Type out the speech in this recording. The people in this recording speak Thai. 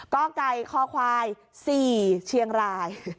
กไก่คควาย๔เชียงราย